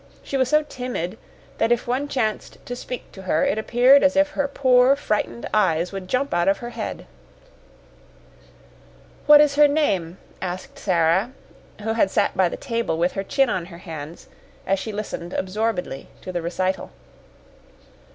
She was so timid that if one chanced to speak to her it appeared as if her poor, frightened eyes would jump out of her head. "What is her name?" asked Sara, who had sat by the table, with her chin on her hands, as she listened absorbedly to the recital.